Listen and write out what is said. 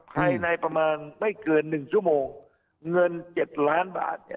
ภายในประมาณไม่เกินหนึ่งชั่วโมงเงินเจ็ดล้านบาทเนี่ย